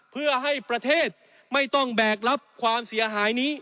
เพื่อให้ประเทศไม่ต้องแบกรับความเสียหายนี้